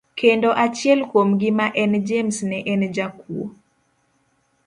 Kendo achiel kuom gi ma en James ne en jakuo.